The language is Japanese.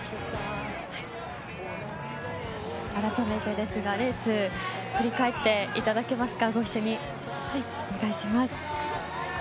あらためてですがレースを振り返っていただけますか。